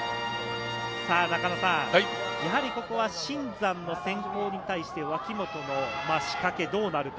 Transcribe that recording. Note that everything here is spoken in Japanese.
中野さん、やはりここは新山の先行に対して、脇本の仕掛けどうなるか？